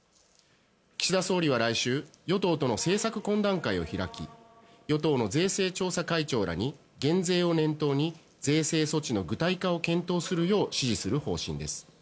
岸田総理は来週与党との政策懇談会を開き与党の税制調査会長らに減税を念頭に税制措置の具体化を検討するよう指示する方針です。